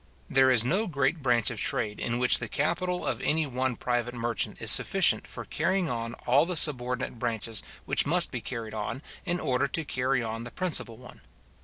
There is no great branch of trade, in which the capital of any one private merchant is sufficient for carrying on all the subordinate branches which must be carried on, in order to carry on the principal one.